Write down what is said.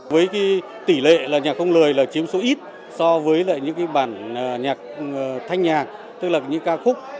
với tỷ lệ là nhạc không lời là chiếm số ít so với những bản nhạc thanh nhạc tức là những ca khúc